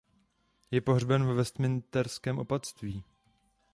Je pohřben ve Westminsterském opatství.